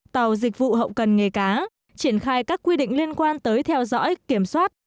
tàu dịch vụ hậu cần nghề cá triển khai các quy định liên quan tới theo dõi kiểm soát